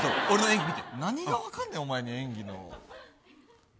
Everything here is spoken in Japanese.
何が分かんねんお前に演技の。